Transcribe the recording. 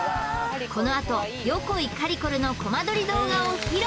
このあと横井かりこるのコマ撮り動画を披露！